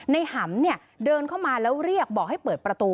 หำเนี่ยเดินเข้ามาแล้วเรียกบอกให้เปิดประตู